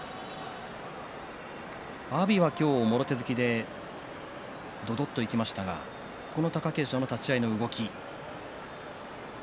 阿炎は今日、もろ手突きでどどっといきましたがこの貴景勝の立ち合いの動き。